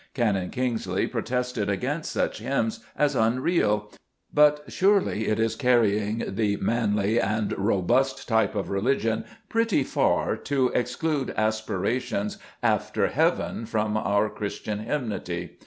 Canon Kingsley protested against such hymns as un real, but surely it is carrying "the manly and robust '' type of religion pretty far to exclude aspirations after heaven from our Christian hymnody.